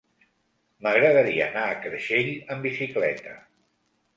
M'agradaria anar a Creixell amb bicicleta.